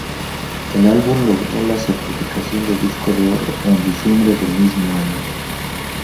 El álbum logró la certificación de disco de oro en diciembre del mismo año.